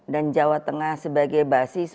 dan jawa tengah sebagai basis